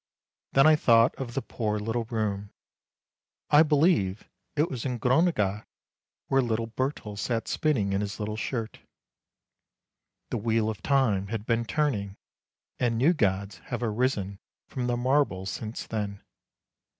Then I thought of the poor little room; I believe it was in ' Gronne gade ' where little Bertel sat spinning in his little shirt. The wheel of time had been turning, and new gods have arisen from the marble since then.